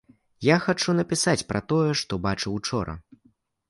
Я хачу напісаць пра тое, што бачыў учора.